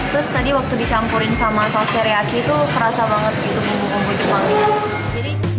terus tadi waktu dicampurin sama saus teriyaki itu kerasa banget gitu bumbu bumbu jepang